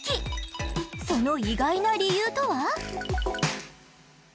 その意外な理由とは？